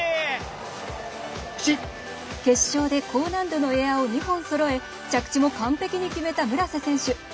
決勝で高難度のエアを２本そろえ着地も完璧に決めた村瀬選手。